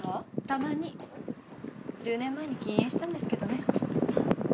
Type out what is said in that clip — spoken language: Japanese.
たまに１０年前に禁煙したんですけどね。